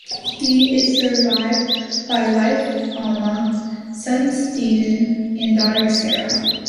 He is survived by wife Alma, son Steven and daughter Sara.